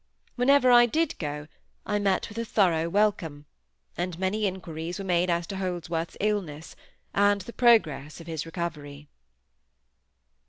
Whenever I did go, I met with a thorough welcome; and many inquiries were made as to Holdsworth's illness, and the progress of his recovery.